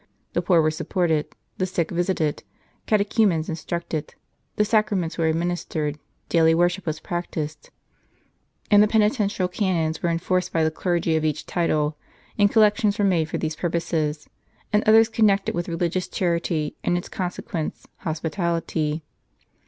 The poor were supported, the sick IT® visited, catechumens instructed ; the Sacraments were admin istered, daily worship was practised, and the jDenitential canons were enforced by the clergy of each title ; and collec tions were made for these purposes, and others connected with religious charity, and its consequence, hospitality.